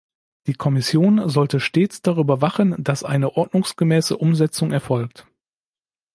Die Kommission sollte stets darüber wachen, dass eine ordnungsgemäße Umsetzung erfolgt.